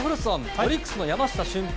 オリックスの山下舜平